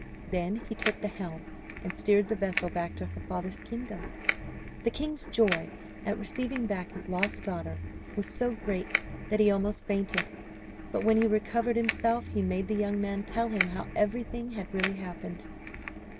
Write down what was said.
Then he took the helm and steered the vessel back to her father's kingdom. The king's joy at receiving back his lost daughter was so great that he almost fainted, but when he recovered himself he made the young man tell him how everything had really happened.